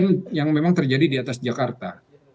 kedua adalah yang memang terjadi di atas jakarta